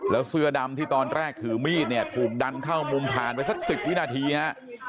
แล้วเสื้อดำที่ตอนแรกถือมีดเนี่ยถูกดันเข้ามุมผ่านไปสัก๑๐วินาทีฮะ